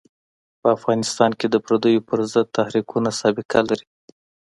په افغانستان کې د پرديو پر ضد تحریکونه سابقه لري.